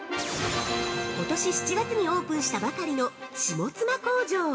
◆ことし７月にオープンしたばかりの下妻工場。